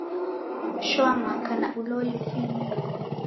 Shoa maka na ulo lufiniko.